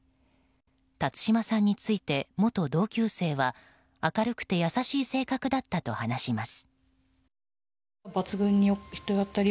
辰島さんについて元同級生は明るくて優しい性格だったと話します。